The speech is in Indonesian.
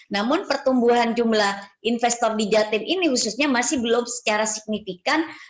namun pertumbuhan jumlah investor di jatim ini khususnya masih belum secara signifikan